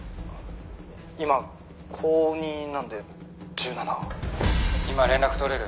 「今高２なので１７」「今連絡取れる？」